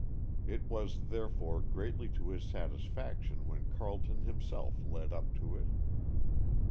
It was, therefore, greatly to his satisfaction when Carleton himself led up to it.